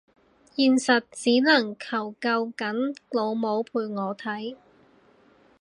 現實只能夠求緊老母陪我睇